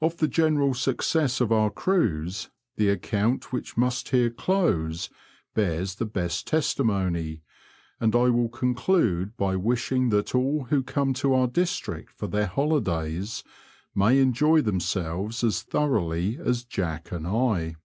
Of the general success of our cruise, the account which must here dose bears the best testimony, and I will conclude by wishing that all who come to our district for their holidays may enjoy themselves as thoroughly as Jack And I.